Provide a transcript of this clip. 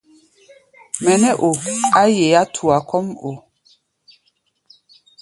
Mɛ nɛ́ o á yeé tua kɔ́ʼm o?